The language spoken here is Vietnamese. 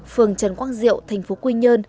phường trần quang diệu tp quy nhơn